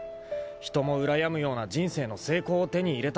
人もうらやむような人生の成功を手に入れた。